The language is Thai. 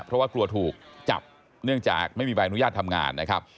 เพราะว่ากลัวถูกจับเนื่องจากไม่มีใบอนุญาตทำงานนะครับ